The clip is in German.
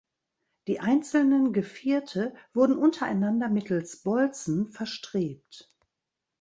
Die einzelnen Gevierte wurden untereinander mittels Bolzen verstrebt.